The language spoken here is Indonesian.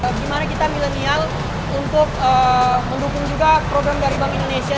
bagaimana kita milenial untuk mendukung juga program dari bank indonesia